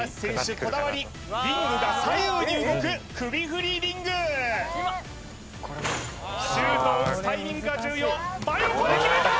こだわりリングが左右に動く首振りリングシュートを打つタイミングが重要真横で決めた！